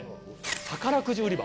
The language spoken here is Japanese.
宝くじ売り場。